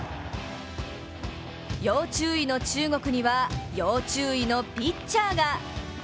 要注意の中国には要注意のピッチャーが。